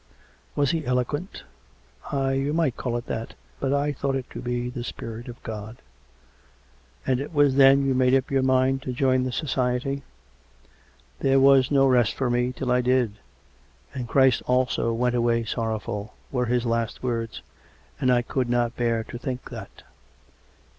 " Was he eloquent? "" Aye ; you might call it that. But I thought it to be the Spirit of God." " And it was then you made up your mind to join the Society ?"" There was no rest for me till I did. ' And Christ also went away sorrowful,' were his last words. And I could not bear to think that."